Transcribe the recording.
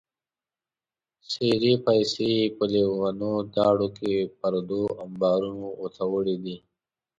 څېرې پایڅې یې په لیونیو داړو کې پردو امبارو ته وړې دي.